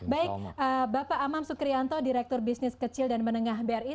baik bapak amam sukrianto direktur bisnis kecil dan menengah bri